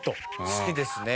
好きですね。